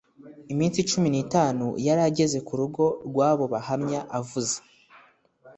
iminsi cumi n itanu yari ageze ku rugo rw abo bahamya avuza